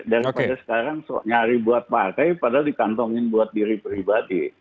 daripada sekarang nyari buat partai padahal dikantongin buat diri pribadi